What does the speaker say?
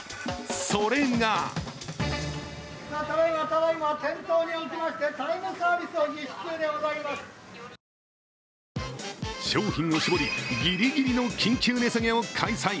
それが商品を絞り、ギリギリの緊急値下げを開催。